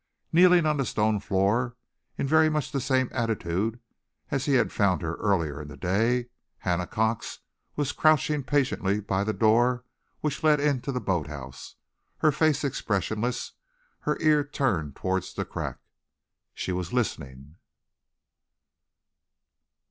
Kneeling on the stone floor, in very much the same attitude as he had found her earlier in the day, Hannah Cox was crouching patiently by the door which led into the boat house, her face expressionless, her ear turned towards the crack. She was still listening.